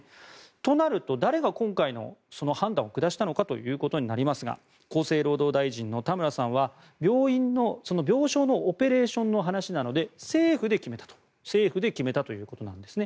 となると、誰が今回の判断を下したのかということになりますが厚生労働大臣の田村さんは病床のオペレーションの話なので政府で決めたということなんですね。